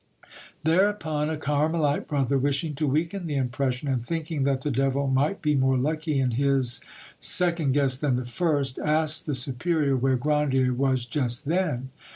Thereupon a Carmelite brother wishing to weaken the impression, and thinking that the devil might be more lucky in his, second guess than the first, asked the superior where Grandier was just then.